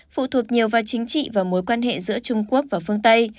phụ thuộc nhiều vào chính trị và mối quan hệ giữa trung quốc và phương tây